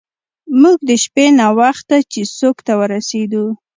موږ د شپې ناوخته چیسوک ته ورسیدو.